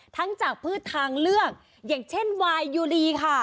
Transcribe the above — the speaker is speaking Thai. จากพืชทางเลือกอย่างเช่นวายยูรีค่ะ